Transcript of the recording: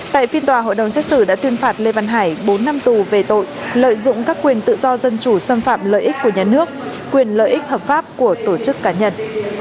tại phiên tòa hội đồng xét xử đã tuyên phạt lê văn hải bốn năm tù về tội lợi dụng các quyền tự do dân chủ xâm phạm lợi ích của nhà nước quyền lợi ích hợp pháp của tổ chức cá nhân